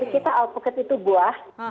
di kita alpuket itu buah